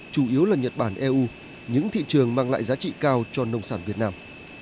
chủ yếu là nhật bản eu những thị trường mang lại giá trị cao cho nông sản việt nam